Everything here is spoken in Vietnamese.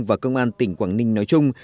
và công an tỉnh quảng ninh nói chung